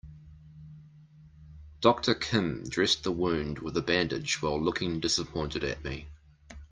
Doctor Kim dressed the wound with a bandage while looking disappointed at me.